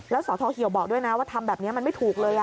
แล้วสทเหี่ยวบอกด้วยนะว่าทำแบบนี้มันไม่ถูกเลย